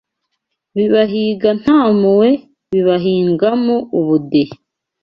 Bibahiga nta mpuhwe Bibahingamo ubudehe